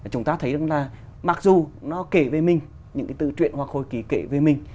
chúng ta thấy rằng là mặc dù nó kể về mình những cái từ chuyện hoặc hồi ký kể về mình